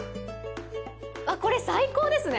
あっこれ最高ですね。